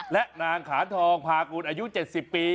และนางขานทองพากุลอายุ๗๐ปี